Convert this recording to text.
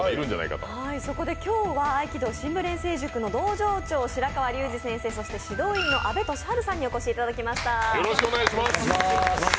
そこで今日は合気道神武練成塾の道場長、白川竜次先生そして指導員の阿部宗玄さんにお越しいただきました。